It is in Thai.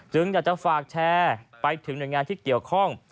อยากจะฝากแชร์ไปถึงหน่วยงานที่เกี่ยวข้อง